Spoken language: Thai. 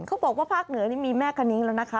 เขาบอกว่าภาคเหนือนี่มีแม่คณิ้งแล้วนะคะ